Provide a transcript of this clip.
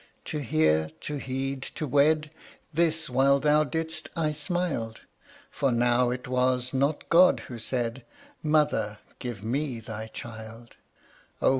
To hear, to heed, to wed, This while thou didst I smiled, For now it was not God who said, "Mother, give ME thy child."